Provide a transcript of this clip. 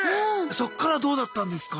そっからどうだったんですか？